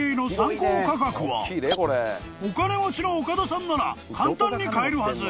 ［お金持ちの岡田さんなら簡単に買えるはず］